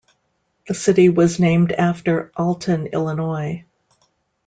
The city was named after Alton, Illinois.